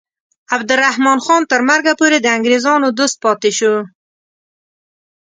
عبدالرحمن خان تر مرګه پورې د انګریزانو دوست پاتې شو.